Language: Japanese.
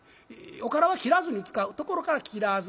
おからは切らずに使うところから「きらず」。